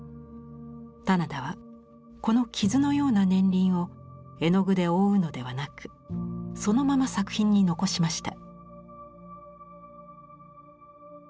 棚田はこの傷のような年輪を絵の具で覆うのではなくそのまま作品に残しました。